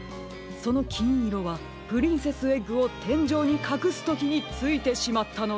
そのきんいろはプリンセスエッグをてんじょうにかくすときについてしまったのでは。